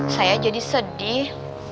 saya jadi sedih